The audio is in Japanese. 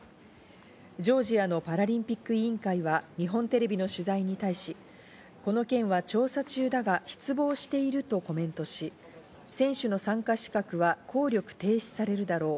ジョージアのパラリンピック委員会は日本テレビの取材に対し、この件は調査中だが失望しているとコメントし、選手の参加資格は効力停止されるだろう。